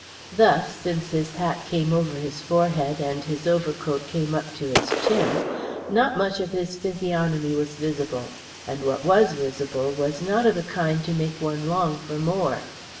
Thus, since his hat came over his forehead, and his overcoat came up to his chin, not much of his physiognomy was visible, and what was visible was not of a kind to make one long for more.